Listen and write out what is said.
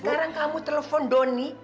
sekarang kamu telepon doni